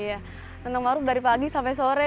iya menanam mangrove dari pagi sampai sore